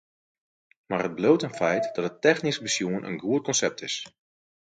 Mar it bliuwt in feit dat it technysk besjoen in goed konsept is.